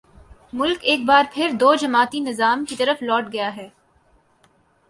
ملک ایک بار پھر دو جماعتی نظام کی طرف لوٹ گیا ہے۔